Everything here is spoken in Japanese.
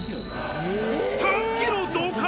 ３キロ増加。